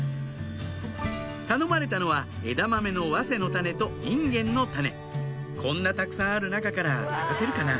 頼まれたのは枝豆のわせの種とインゲンの種こんなたくさんある中から探せるかな？